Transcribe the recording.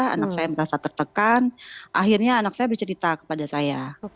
anak saya merasa tertekan akhirnya anak saya bercerita kepada saya